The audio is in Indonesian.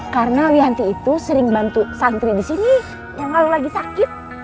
karena wianti itu sering bantu santri disini yang lalu lagi sakit